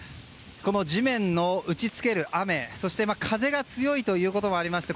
地面に打ち付ける雨そして風が強いこともありまして